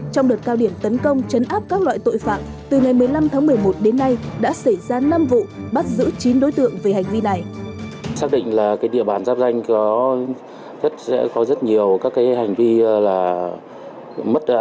trong đợt cao điểm tấn công chấn áp các loại tội phạm